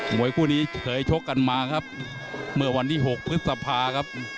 วยคู่นี้เคยชกกันมาครับเมื่อวันที่๖พฤษภาครับ